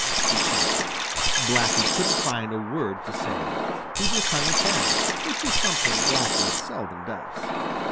he shouted. Blacky couldn't find a word to say. He just hung his head, which is something Blacky seldom does.